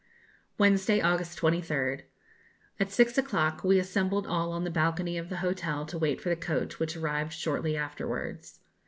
Wednesday, August 23rd. At six o'clock we assembled all on the balcony of the hotel to wait for the coach, which arrived shortly afterwards.